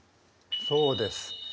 そうです。